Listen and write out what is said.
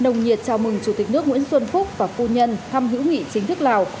nồng nhiệt chào mừng chủ tịch nước nguyễn xuân phúc và phu nhân thăm hữu nghị chính thức lào